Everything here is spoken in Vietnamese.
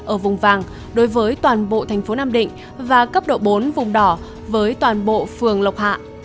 ở vùng vàng đối với toàn bộ thành phố nam định và cấp độ bốn vùng đỏ với toàn bộ phường lộc hạ